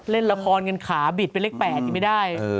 เล่นละครกันขาบิดเป็นเลข๘ยังไม่ได้